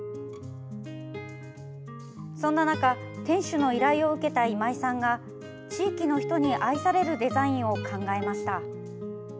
そんな中、店主の依頼を受けた今井さんが地域の人に愛されるデザインを考えました。